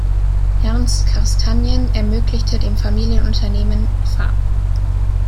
Ernst Carstanjen ermöglichte dem Familienunternehmen Fa.